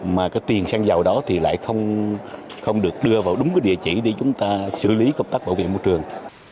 mà cái tiền xăng dầu đó thì lại không được đưa vào đúng cái địa chỉ để chúng ta xử lý công tác bảo vệ môi trường